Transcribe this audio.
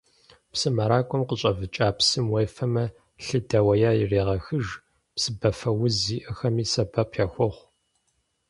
Псымэракӏуэм къыщӏэвыкӏа псым уефэмэ, лъы дэуеяр ирегъэхыж, псыбафэуз зиӏэхэми сэбэп яхуохъу.